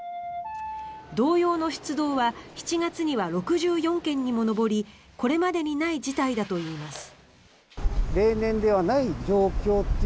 同様の出動は７月には６４件にも上りこれまでにない事態だといいます。